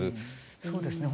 そうですね。